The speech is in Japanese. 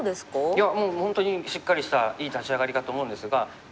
いやもう本当にしっかりしたいい立ち上がりだと思うんですが。